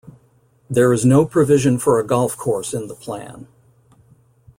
There is no provision for a golf course in the plan.